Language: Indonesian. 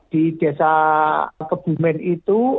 di desa kebumen itu